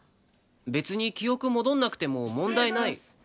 別に記憶戻んなくても問題ない。